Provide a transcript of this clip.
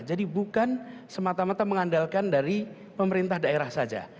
jadi bukan semata mata mengandalkan dari pemerintah daerah saja